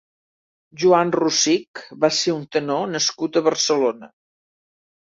Joan Rosich va ser un tenor nascut a Barcelona.